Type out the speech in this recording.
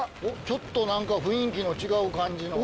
ちょっと何か雰囲気の違う感じの。